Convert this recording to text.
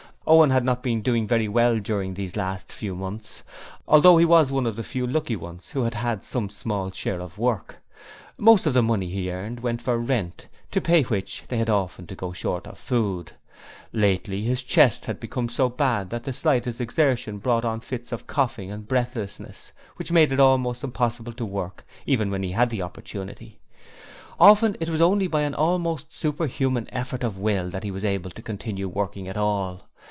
Owen had not been doing very well during these last few months, although he was one of the few lucky ones who had had some small share of work. Most of the money he earned went for rent, to pay which they often had to go short of food. Lately his chest had become so bad that the slightest exertion brought on fits of coughing and breathlessness, which made it almost impossible to work even when he had the opportunity; often it was only by an almost superhuman effort of will that he was able to continue working at all.